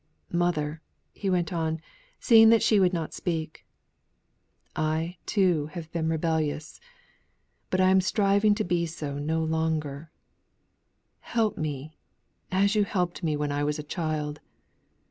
"Mother," he went on, seeing that she would not speak. "I, too, have been rebellious; but I'm striving to be so no longer. Help me, as you helped me when I was a child.